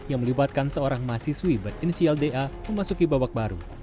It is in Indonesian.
yang melibatkan seorang mahasiswi berinisial da memasuki babak baru